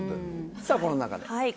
さぁこの中で。